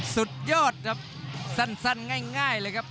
สุดยอดครับสั้นง่ายเลยครับ